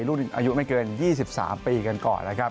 ลูกไม่เกิน๒๓ปีกันก่อน